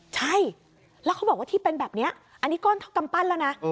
ใช่แล้วเขาบอกว่าที่เป็นแบบนี้อันนี้ก้อนเท่ากำปั้นแล้วนะ